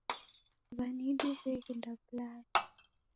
W'anidu w'eghenda w'ulaya